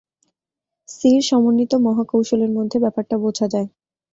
সির সমন্বিত মহাকৌশলের মধ্যে ব্যাপারটা বোঝা যায়।